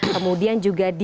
kemudian juga direkrutasi